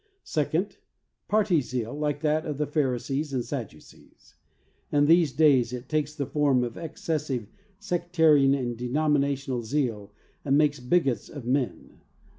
Second: Party zeal like that of the Pharisees and Sadducees. In these days it takes the form of excessive sectarian and denominational zeal and makes bigots of men.